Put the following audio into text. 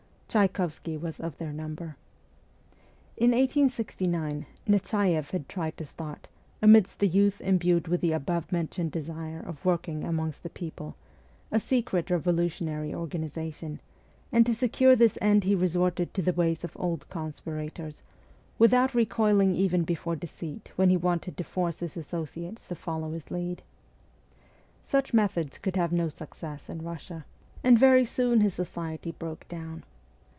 Tchaykovsky was of their number. In 1869 Nechaieff had tried to start, amidst the youth imbued with the above mentioned desire of working amongst the people, a secret revolutionary organization, and to secure this end he resorted to the ways of old conspirators, with out recoiling even before deceit when he wanted to force his associates to follow his lead. Such methods could have no success in Eussia, and very soon his 94 MEMOIRS OF A REVOLUTIONIST society broke down.